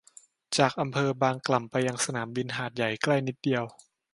จากอำเภอบางกล่ำไปยังสนามบินหาดใหญ่ใกล้นิดเดียว